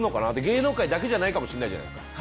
芸能界だけじゃないかもしれないじゃないすか。